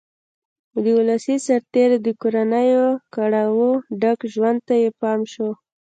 د ولسي سرتېرو د کورنیو کړاوه ډک ژوند ته یې پام شو